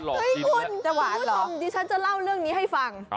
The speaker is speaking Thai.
เฮ้ยคุณคุณก็ต้องดิฉันจะเล่าเรื่องนี้ให้ฟัง